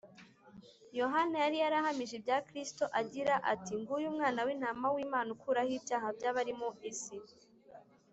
yohana yari yarahamije ibya kristo agira ati: ‘nguyu umwana w’intama w’imana, ukuraho ibyaha by’abari mu isi’